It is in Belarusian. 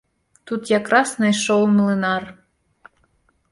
Тут якраз найшоў млынар.